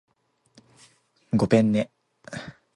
ごぺんね